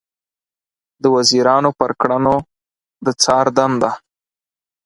د وزیرانو پر کړنو د څار دنده